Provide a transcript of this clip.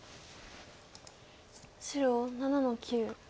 白７の九。